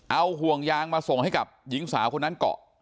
เอาห่วงยางมาส่งให้กับหญิงสาวคนนั้นเกาะ